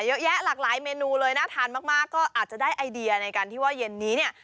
เยอะแยะหลากหลายเมนูเลยน่าทานมากก็อาจจะได้ไอเดียในการที่ว่าเย็นนี้เนี่ย